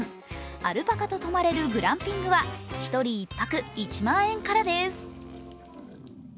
アルパカと泊まれるグランピングは１人１泊１万円からです。